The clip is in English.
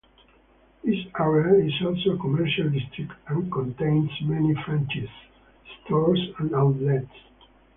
This area is also a commercial district and contains many franchises, stores and outlets.